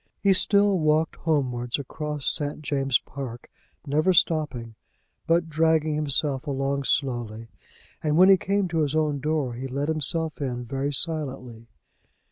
He still walked homewards across St. James's Park, never stopping, but dragging himself along slowly, and when he came to his own door he let himself in very silently.